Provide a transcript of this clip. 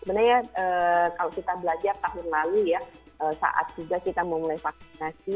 sebenarnya kalau kita belajar tahun lalu ya saat juga kita memulai vaksinasi